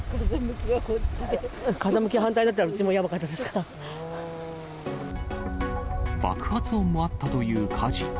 風向きが反対だったら、うちもや爆発音もあったという火事。